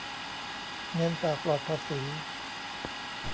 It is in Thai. เงินฝากปลอดภาษี